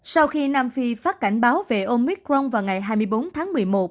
sau khi nam phi phát cảnh báo về omicron vào ngày hai mươi bốn tháng một mươi một